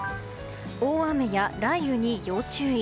大雨や雷雨に要注意。